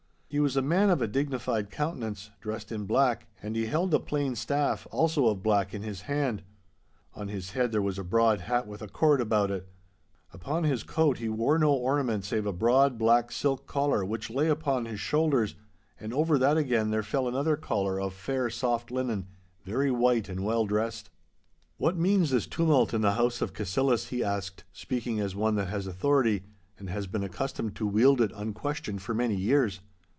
He was a man of a dignified countenance, dressed in black, and he held a plain staff, also of black, in his hand. On his head there was a broad hat with a cord about it. Upon his coat he wore no ornament save a broad, black silk collar which lay upon his shoulders, and over that again there fell another collar of fair soft linen, very white and well dressed. 'What means this tumult in the house of Cassillis?' he asked, speaking as one that has authority, and has been accustomed to wield it unquestioned for many years.